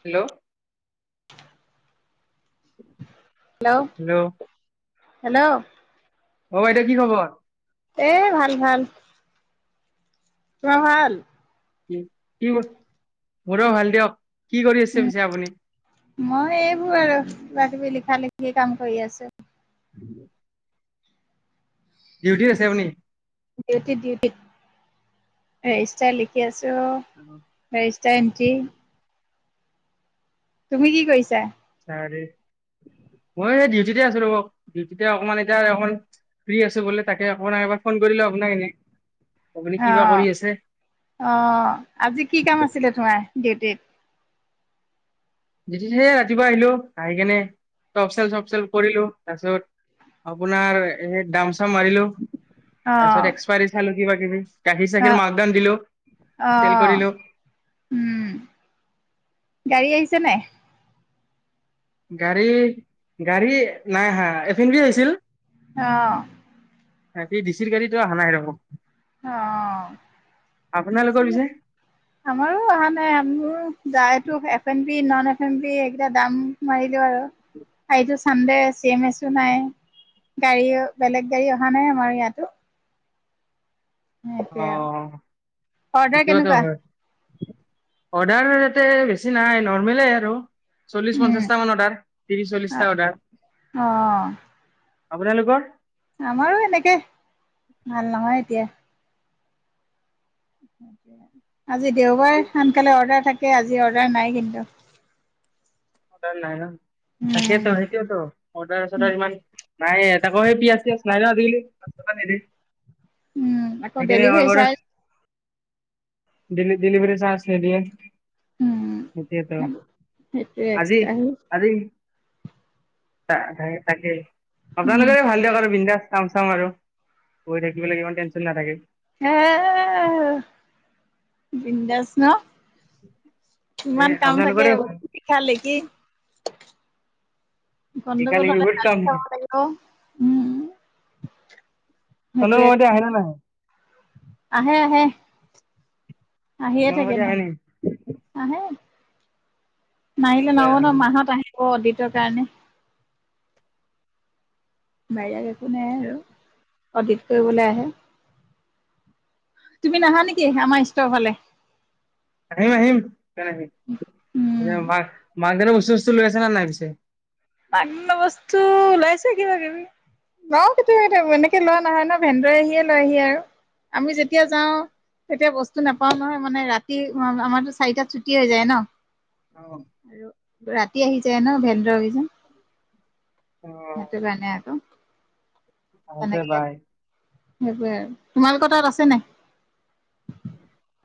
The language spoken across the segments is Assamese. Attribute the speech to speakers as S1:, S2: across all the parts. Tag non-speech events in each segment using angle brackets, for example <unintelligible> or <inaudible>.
S1: হেল্ল' উ <unintelligible> হেল্ল'
S2: হেল্ল'
S1: অ বাইদেউ কি খবৰ?
S2: এ ভাল ভাল তোমাৰ ভাল?
S1: কি মোৰো ভাল দিয়ক। কি কৰি আছে পিছে আপুনি?
S2: মই এইবোৰ আৰু কিবাকিবি, লিখা-লিখি কাম কৰি আছো।
S1: উম <unintelligible> ডিউটিত আছে আপুনি?
S2: ডিউটি-ডিউটি, ৰেজিষ্টাৰ লিখি আছোঁ। ত ৰেষ্ট টাইম কি? তুমি কি কৰিছা?
S1: মই ডিউটিতে আছো ৰব, ডিউটিতে অকমান এতিয়া অকমান ফ্ৰী আছো বোলে তাকে অকমান আপোনাক ফোন কৰিলো আপোনাক এনেই
S2: অ, অহ, আজি কি কাম আছিলে তোমাৰ? ডিউটিত?
S1: ডিউটি হে ৰাতিপুৱা আহিলো, আহি কেনে চপ-চেল, চফ-চেল কৰিলো তাৰপিছত আপোনাৰ এ দাম-চাম মাৰিলো। তাৰ
S2: অ',
S1: পিছত এক্সপায়াৰী চালো কিবা-কিবি, গাখীৰ-চাখীৰ
S2: অ',
S1: মাকডন দিলো চেল
S2: অ',
S1: কৰিলো।
S2: উম, গাড়ী আহিছে নাই?
S1: গাড়ী-গাড়ী নাই আহা, এদিনহে আহিছিল।
S2: অহ
S1: তাকে, ডিচিৰ গাড়ীটো অহা নাই ৰব,
S2: অ,
S1: আপোনালোকৰ
S2: গুচি গল,
S1: পিছে
S2: আমাৰো অহা নাই মোৰ যায়তো এফ এন বি ন এইকেইটা দাম মাৰিলো আৰু এটো চানডে চি এম এছো নাই, গাড়ী বেলেগ গাড়ী অহা নাই আমাৰ ইয়াতো সেইটোৱে আৰু',
S1: অ'
S2: অৰ্ডাৰ
S1: সেইটোতো
S2: কেনেকুৱা?
S1: হয় অৰ্ডাৰ ইয়াতে বেছি নাই নৰ্মলে আৰু চল্লিশ
S2: উম
S1: পঞ্চাশটা মান অৰ্ডাৰ, ত্ৰিশ চল্লিশটা অৰ্ডাৰ,
S2: অ
S1: আপোনালোকৰ
S2: আমাৰো এনেকে ভাল নহয় এতিয়া আজি দেওবাৰ সোনকালে অৰ্ডাৰ থাকে, আজি অৰ্ডাৰ নাই কিন্তু।
S1: অৰ্ডাৰ নাই ন?
S2: উম
S1: তাকেতো, সেইটোৱেটো,
S2: উম
S1: অৰ্ডাৰ-চৰ্দাৰ ইমান নাই তাকো সেই পিয় ফেৰলভলি পাচ টকাত নিদিয়ে।
S2: উম, আকৌ ডেলিভাৰী চাৰ্জ
S1: ডেলি-ডেলিভাৰি চাৰ্জ নিদিয়ে।
S2: উম
S1: সেইটোৱে টো,
S2: সেইটো এক্সট্ৰা
S1: আজি-আজি তা তা তাকে
S2: উম
S1: আপোনালোকৰে ভাল দিয়ক আৰু বিন্দাছ চাম-চাম আৰু গৈ থাকিব লাগিব ইমান টেনশ্যন নাথাকে।
S2: হে বিন্দাছ ন
S1: এ
S2: ইমান কাম থাকে
S1: আপোনালোকৰে ভাল
S2: লিখা-লিখি, গণ্ডগোল
S1: একেলগে
S2: হ'লে
S1: বহুত
S2: গালি
S1: কাম
S2: খাব লাগিব, উম
S1: হেল্ল
S2: সেইটোৱে
S1: সিহঁতি আহিলে নাই
S2: আহে আহে আহিয়ে
S1: চন্দন
S2: থাকে
S1: মামাহতি
S2: ন
S1: আহে নেকি?
S2: আহে নাহিলে নহব ন মাহত আহিব দ কাৰণে বেলেগ একো নাই আৰু অডিত কৰিবলে আহে তুমি নাহা নেকি আমাৰ ষ্টৰৰ ফালে
S1: আহিম আহিম।
S2: উম
S1: মানুহ জনে কইছো জুইতো লৈ আছে নাই পিছে
S2: অন্য বস্তু ওলাইছ কিবা কিবি, লওঁ কেতিয়াবা কেতিয়াবা এনেকে লোৱা নহয় ন ভেন্দ্ৰৰিঙে আহি লৈহি আৰু আমি যেতিয়া যাওঁ তেতিয়া বস্তু নাপাও নহয় মানে ৰাতি আমাৰতো চাৰিটাত ছুটি হৈ যায় ন আৰু
S1: <unintelligible>
S2: ৰাতি আহি যায় ন ভেন্দ্ৰ অভিযান সেইটো কাৰণে আৰু
S1: থাকক দে বাই
S2: সেইটোৱে আৰু তোমালোকৰ তাত আছে নাই?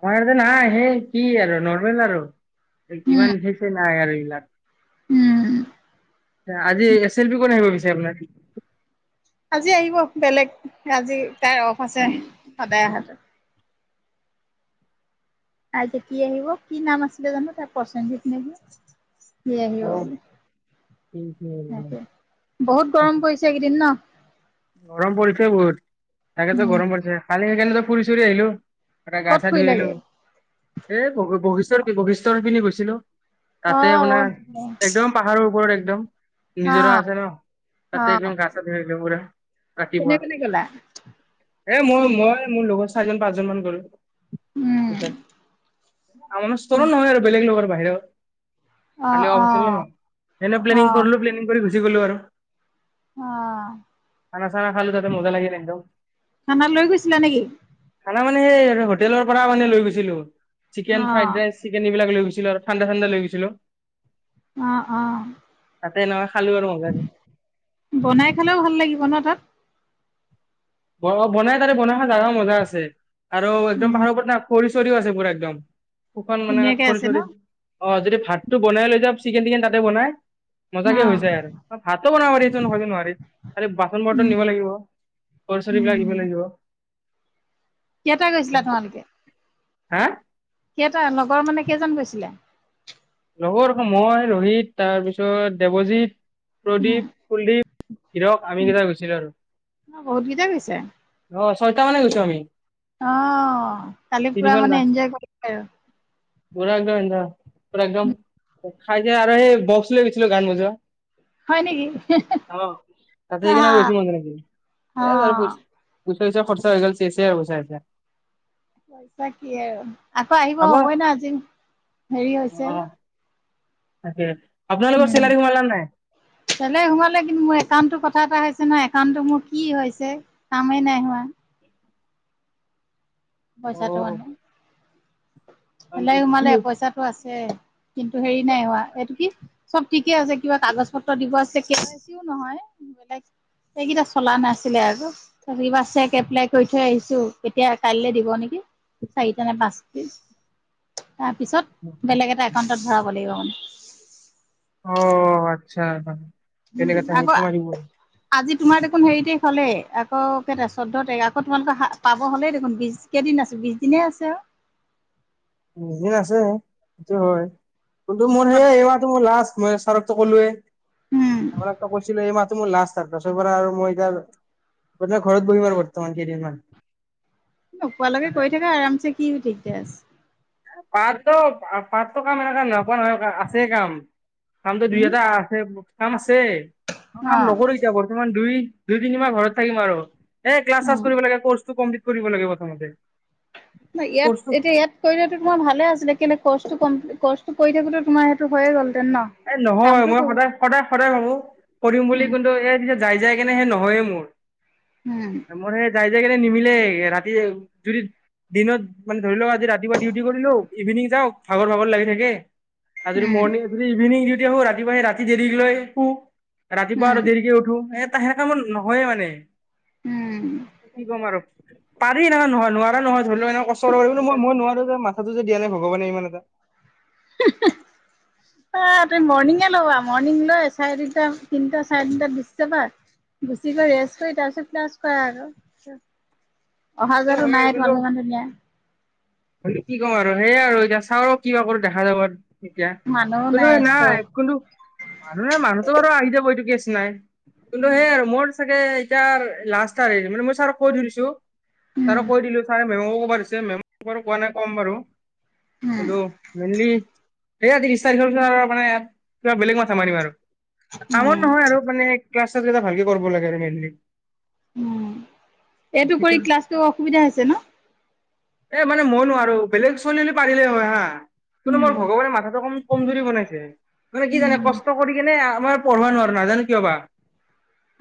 S1: আমাৰ নাই সেই কি আৰু নৰ্মেল আৰু
S2: উম,
S1: ইমান বেছি নাই আৰু
S2: উম।
S1: এইবিলাক আজি এছ এল পি কোনে আহিব পিছে আপোনাৰ
S2: আজি আহিব বেলেগ আজি তাই অফ আছে সদায় আহে আজি কি আহিব কি নাম আছিলে জানো তাই পচেনজিত নেকি সি আহিব,
S1: অ'
S2: বহুত গৰম পৰিছে এইকেইদিন ন
S1: গৰম পৰিছে বহুত তাকেতো
S2: উম,
S1: গৰম পৰিছে কালি সেইকাৰণে ফুৰি চুৰি আহিলো পোৰা গা
S2: ক'ত
S1: চা ধুই আহিলোঁ
S2: ফুৰিলাগে?
S1: এ বহুত বশিৰ বশিষ্টৰ সেইপিনে গৈছিলো তাতে
S2: অ',
S1: আপোনাৰ
S2: অ',
S1: একদম পাহাৰৰ ওপৰত এক <unintelligible> নিজৰা
S2: অ',
S1: আছে ন তাতে
S2: অ',
S1: একদম গা চা ধুই আহিলোঁ পুৰা
S2: কোনে
S1: ৰাতিপুৱা।
S2: কোনে গ'লা
S1: এ মই মই মোৰ লগত চাৰিজন পাঁচজন মান গলো
S2: উম,
S1: <unintelligible> বাহিৰত
S2: অ',
S1: কালি অফ আছিল
S2: অ',
S1: ন এনে প্লেনীং
S2: অ',
S1: কৰিলো প্লেনীং কৰি গুচি গুচি গলো আৰু
S2: অ'।
S1: খানা-চানা খালোঁ, তাতে মজা লাগিল একদম।
S2: খানা লৈ গৈছিলা নেকি?
S1: খানা মানে সেই হোটেলৰ পৰা মানে লৈ গৈছিলোঁ। চিকেন ফ্ৰাইড
S2: অ',
S1: ৰাইচ, চিকেন এইবিলাক লৈ গৈছ ছিলো আৰু ঠাণ্ডা-ঠাণ্ডা লৈ গৈছিলোঁ।
S2: অ' - অ'।
S1: এনেকা খালো আৰু মজাকে।
S2: বনাই খালেও ভাল লাগি ব ন' তাত?
S1: ব- বনায়। তাৰে বনাই খা জাগা মজা আছে। আৰু একদম
S2: উম,
S1: পাহাৰৰ ওপৰত ন' খৰিচ চৰিও আছে পুৰা একদম। শুকান মানে
S2: ধুনীয়াকে
S1: খৰি-
S2: আছে ন?
S1: চৰি। অ' যদি ভাতটো বনাই লৈ যা চিকেন-টিকেন তাতে বনায়। মজাকে হৈ
S2: অ'।
S1: যায় আৰু। অ' ভাতো বনাব পাৰি। ইতো নহলে নোৱাৰি। খালি বাচন-বৰ্তন
S2: উম,
S1: নিব লাগিব। চৰিবিলাক আনিব
S2: উম,
S1: লাগিব।
S2: কেইটা গৈছিলা তোমালোকে?
S1: হা?
S2: কেইটা লগৰ মানে কেইজন গৈছিলা?
S1: লগৰ মই, ৰোহিত। তাৰপিছত দেৱজিত
S2: উম,
S1: প্ৰদীপ, কুলদীপ, হিৰক আমি কেইটা গৈছিলোঁ
S2: বহুত কেইটা গৈছে।
S1: আৰু। ছয়টামানে গৈছোঁ আমি।
S2: অ' কালি পুৰা
S1: তিনিখন গান
S2: মানে এনজয় কৰি আৰু।
S1: পুৰা একদম পুৰা একদম খাইছে আৰু সেই বক্স লৈ গৈছিলোঁ, গান বজোৱা।
S2: হয় নেকি?
S1: অ'। তাতে
S2: অ',
S1: সেইকাৰণে <unintelligible> নেকি? এই আৰু পইছ পইছা কৰিছা হৈ গ'ল। চেছে আৰু পইছা।
S2: পইছা কি আৰু। আকৌ আহিব
S1: আপোনাৰ
S2: হবই ন' আজি। হেৰি পিছে।
S1: অ তাকে। আপোনালোকৰ
S2: উম,
S1: চেলাৰী সোমালা নাই
S2: চেলাৰী সোমালে। কিন্তু মোৰ একাউণ্টো কথা এটা হৈছ একাউন্টো মোৰ কি হৈছে? কামে নাই হোৱা।
S1: অ
S2: পইছাটো মানে। চেলাৰী
S1: কি
S2: সোমালে। পইছাটো আছে। কিন্তু হেৰি নাই, এইটো কি চব ঠিকে আছে কিবা কাগজ পত্ৰ দিব আছে কেৱাই চিও নহয় বেলেগ এইকেইটা চলা নাছিলে আৰু আজিবা চেক এপ্লাই কৰি থৈ আহিছো এতিয়া কাইলে দিব দিব নেকি? চাৰিটা নে পাঁচ উ তাৰপিছত বেলেগ এটা একাউণ্টত ভৰাব লাগিব মানে
S1: অ আচ্ছা কেনে <unintelligible> কা চানি
S2: আকৌ
S1: মাৰিব
S2: আজি তোমাৰ দেখোন হেৰি তাৰিখ হলেই অ কেই তা চৌধ তাৰিখ হলেই আক তোমালোকৰ পাব হ'লেই দেখোন বিশ কেইদিন আছো বিশ দিনে আছে আৰু
S1: দিন আছে সেইটো হয় কিন্তু মোৰ
S2: আৰু
S1: এইবাৰতো মোৰ লাষ্ট মই চাৰকতো ক'লোয়ে
S2: উম
S1: আমাৰ একটা কৈছিলে এই মাত মোৰ লাষ্ট আৰু তাৰ পাছৰ পৰা আৰু মই এতিয়া বৰ্তমান ঘৰত বহি আৰু বৰ্তমান কেইদিনমান
S2: নোপোৱালৈকে
S1: মানে
S2: কৰি থাকা আৰামচে কি দিকদাৰ আছে
S1: পাঁচো পচ কাম এনেকোৱাই নহয় আছে কাম কামটো দুই
S2: উম
S1: এটা আছে কাম আছে আছে কাম
S2: অ
S1: নকৰো এতিয়া বৰ্তমান দুই দুই তিনি মাহ ঘৰত থাকিম আৰু এ ক্লাছ চালাছ
S2: উম।
S1: কৰিব লাগে ৰ্কাচতো কম্পিলীত কৰিব লাগে প্ৰথমতে
S2: ন
S1: কৰ্চটো
S2: ইয়াত এতিয়া ইয়াত কৰিলে তোমাৰ ভালে আছিলে কিন্ত ক্ ৰ্কচ তো কৰি থাকোতে তোমাৰ সেইটোয়ে হৈ গ'ল
S1: এ নহয় মই সদায় সদায় সদায় ভাবো কৰিম বুলি
S2: উম
S1: কিন্তু এই যেতিয়া যাই যাই কেনে সেই নহয়ে মোৰ
S2: উম
S1: মোৰ সেই যাই যাই কিনে নিমিলে ৰাতি যদি দিনত মানে ধৰি লওক আজি ৰাতিপুৱা ডিউটি কৰিলো ইভিনিং যাওক ভাগৰ ভাগৰ লাগি থাকে আৰু যদি
S2: উম
S1: মৰ্ণিং ইভিনং ডিউটি আহো ৰাতিপুৱাহে ৰাতি দেৰি লৈ শো ৰাতিপুৱা
S2: উম
S1: আৰু দেৰিকে উঠো এ সেনে কামত নহয়ে মানে
S2: উম।
S1: কি কম আৰু পাৰি না নহয় নোৱাৰা নহয় ধৰি লওঁ এনেক কষ্ট কিন্ত মই নোৱাৰো দেই মা কটো যে দিয়া নাই ভগৱানে ইমান এটা
S2: ও হো অ তুমি মৰ্নিং এ লবা মৰ্নিং লৈ চাৰে তিন টা তিনিটা চাৰে তিনিটাত গুছি যাবা গুছি গৈ ৰেষ্ট কৰি তাৰ পিছত ক্লাছ কৰা আৰু অহা
S1: এই
S2: যোৱাটো
S1: হয়
S2: নাই
S1: কিন্তু
S2: তোমালোকে মানুহে নিয়া
S1: কি ক'ম আৰু সেইয়াই আৰু এতিয়া চাওঁ আৰু কিবা কৰো দেখা যাব এতিয়া
S2: মানুহো
S1: কোনো
S2: ষ্টপ
S1: নাই কিন্তু মানুহ জন বাৰু আহি যাব এইটোক নাই বোলো সেই আৰু মোৰ চাগে, এতিয়া আৰ লাষ্ট আৰ মানে মই ছাৰক কৈ থৈ দিছোঁ,
S2: উম।
S1: ছাৰক কৈ দিলো ছাৰে- মেমো কোৱাদ হৈছে মেম, বাৰু কোৱা নাই ক'ম বাৰু,
S2: উম
S1: হলেওঁ মেইনলী, সেয়া ত্ৰিশ -তাৰিখৰ পিছত আৰু মানে কিবা বেলেগ মাথা মাৰিম আৰু, কামত
S2: উম
S1: নহয় আৰু মানে, ক্লাচ - চাচ এতিয়া ভালকে কৰিব লাগে আৰু মেইনলি।
S2: উম এইটো
S1: সেইটো
S2: কৰি ক্লাছটো অসুবিধা হৈছে ন',?
S1: এ', মানে মই নোৱাৰো বেলেগ ছোৱালী পাৰিলেই হয় হা', কিন্তু
S2: উম
S1: মোৰ ভগৱানে মাথাটো কম- কমজুৰি বনাইছে। মানে কি জানে
S2: উম
S1: কষ্ট কৰি কিনে, আমাৰ পঢ়বা নোৱাৰো, নাজানো কিয় বা',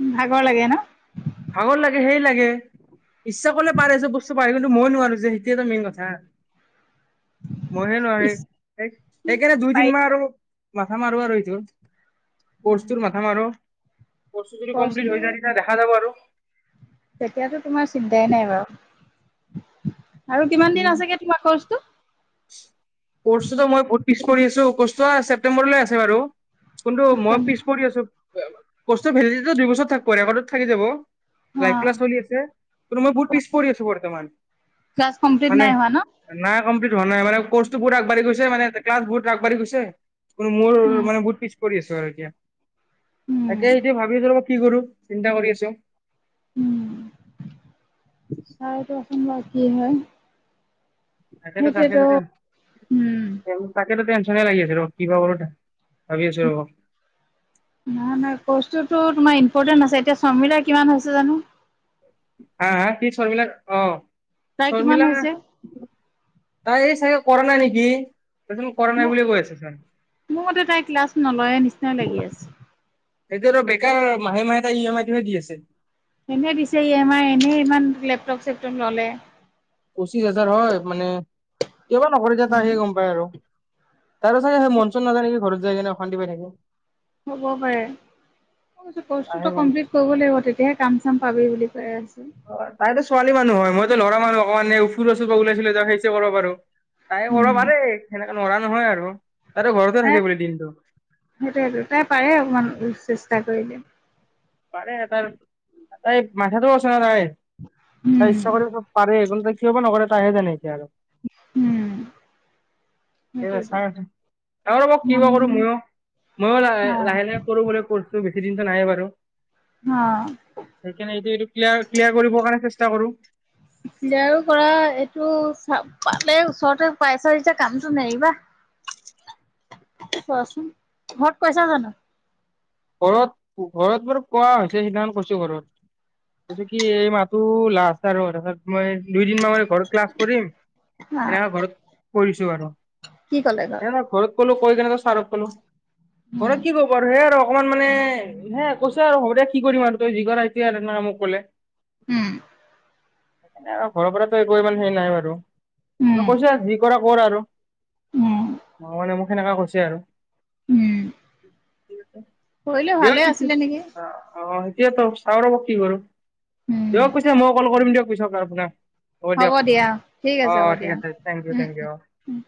S2: উম ', ভাগৰ লাগে ন',
S1: ভাগৰ লাগে সেই লাগে ইচ্ছা কৰিলে পাৰে, চব বস্তু পাৰে কিন্তু মই নোৱাৰো যে, সেইটোৱেতো মেইন কথা। ময়ে
S2: পিছ
S1: নোৱাৰিম, এই কাৰনে দুই-দিন মান
S2: পাৰিলে
S1: আৰু মাথা মাৰো আৰু এইটোত, কৰ্চটোৰ মাথা মাৰ অহ', কৰ্চটো যদি কমপ্লিট হৈ যায় তেতিয়া দেখা যাব আৰু,
S2: তেতিয়াতো তোমাৰ চিন্তাই নাই বাৰু, আৰু কিমান দিন আছেগে তোমাৰ কৰ্চটো?
S1: কৰ্ছটোতে মই বহুত পিছ পৰি আছো, কৰ্চটো ছেপটেম্বৰলৈ আছে বাৰু কোনটো মই পিছ
S2: ছেপ্টেম্বৰ
S1: পৰি আছো, কৰ্চটো ভেলিদেটি দুই বছৰত থাকিব, ৰেকৰ্ডত থাকি যাব।
S2: অ
S1: লাইভ ক্লাছ চলি আছে, কিন্তু মই বহুত পিছ পৰি আছো বৰ্তমান,
S2: ক্লাছ কমপ্লিট
S1: মানে
S2: নাই হোৱা ন'?
S1: নাই কমপ্লিট হোৱা নাই মানে, কৰ্চটো বহুত আগবাঢ়ি গৈছে, মানে ক্লাছ বহুত আগবাঢ়ি গৈছে। মোৰ
S2: উম
S1: মানে বহুত পিছ, পৰি আছো আৰু এতিয়া,
S2: উম
S1: তাকে সেইটো ভাবিছিলোঁ কি কৰো, চিন্তা কৰি আছো?
S2: উম বাকী হয়, সেইটোৱেতো উম
S1: তাকেটো-তাকেটো <unintelligible> লাগি আছে ৰ কিবা কৰ ভাবি আছো ৰব।
S2: নাই-নাই কৰ্চোটো তোমাৰ ইম্পৰ্টেণ্ট আছে, এতিয়া শৰ্মিলাৰ কিমান হৈছে জানো?
S1: হা-হা কি শৰ্মিলা অ,
S2: তাই কিমান
S1: শৰ্মিলা
S2: হৈছে?
S1: তাই এই চাগে কৰা নাই নেকি? তাৰচোন কৰা নাই
S2: ম
S1: বুলি কৈ আছে চোন
S2: মোৰ মতে তাই ক্লাছ নলয়ে নিচিনাই লাগি আছে।
S1: সেইটো আৰু বেকাৰ মাহে-মাহে তাই এম আইটোহে দি আছে।
S2: এনে দিছে ই এম আই, এনে ইমান লেপটপ- চেপটপ ল'লে।
S1: পঁচিছ হাজাৰ হয় মানে কিয় বা নকৰে যে, তাইহে গম পায় আৰু তাৰো চাগে, হে মঞ্চন-চনন নাযায় নেকি ঘৰত? যায় কেনে অশান্তি পাই থাকে।
S2: হ'ব পাৰে, মই কৈছোঁ- কোৰ্চটো
S1: তাইহে
S2: তই
S1: গম
S2: কমপ্লিট কৰিব লাগিব, তেতিয়াহে কাম-চাম পাবি বুলি ত <unintelligible>
S1: অ তাই ছোৱালী মানুহ হয়, মইটো লৰা মানুহ অকমান ফুৰ ওচৰ পৰা ওলাইহে কৰিব পাৰো। তাই গৰ বাৰে খেনে <unintelligible> ল'ৰা নহয় আৰু তাইতো ঘৰতে
S2: সে
S1: থাকে বোলে দিনটো
S2: সেইটো-সেইটো তাই পাৰে অকমান চেষ্টা কৰিলে।
S1: পাৰে হ তাৰ <unintelligible> তাকে মাথাতো আছে না তাই ত
S2: উম,
S1: ইচ্ছা কৰিব পাৰে এইতে কিয় বা নকৰে, তাইহে জানে এতিয়া আৰু
S2: উম,
S1: এ
S2: সেইটোয়েটো
S1: চাৰ। <unintelligible> অ' ৰব কিবা কৰোঁ ময়ো। ময়ো
S2: অ,
S1: লাহ- লাহে - লাহে কৰোঁ বুলি কৈছোঁ সেইদিনটো নায়ে বাৰু।
S2: অ'।
S1: সেইকাৰণে এইটো এইটো ক্লিয়াৰ ক্লিয়াৰ কৰিবৰ কাৰণে চেষ্টা কৰো
S2: লও কৰা, এইটো চা পালে ওচৰতে পাইছা যেতিয়া, কামটো নেৰিবা। চোৱাচোন, ঘৰত কৈছা জানোঁ?
S1: ঘৰত- ঘৰত বাৰু কোৱা হৈছে। সিদিনাখন কৈছোঁ ঘৰত। গতিকে এই মাহটো লাষ্ট আৰু <unintelligible> ত মই দুইদিন মান মানে ঘৰত ক্লাছ কৰিম।
S2: হা
S1: এনেকা ঘৰত কৈ দিছোঁ আৰু।
S2: কি ক'লে
S1: এনে ঘৰত ক'লো কৈ কেনে জাষ্ট চাৰক ক'লোঁ। ঘৰত
S2: উম,
S1: কি কব আৰু? সেয়া আৰু মানে এনে কৈছে আৰু হব দে এ কি কৰিম আৰু। তই যি কৰা এতিয়া এনেকে মোক ক'লে।
S2: উম।
S1: সেইকাৰণে আৰু ঘৰৰ পৰাতো একো ইমান সেই নাই বাৰু। তো
S2: উম,
S1: কৈছে যি কৰা কৰ আৰু।
S2: উম,
S1: মই মানে মোক সেনেকা কৈছে আৰু। <inaudible>
S2: পঢ়িলে
S1: দিয়ক
S2: ভালে
S1: পিছে
S2: আছিলে নেকি?
S1: অ অ' সেইটোৱেতো। চাওঁ ৰব, কি কৰোঁ।
S2: উম,
S1: দিয়ক পিছে। মই কল কৰিম দিয়ক। পিছত লাভ নাই।
S2: হ'ব দিয়া। ঠিক আছে। হ'ব দিয়া।
S1: Thank you
S2: um,
S1: thank you O
S2: um.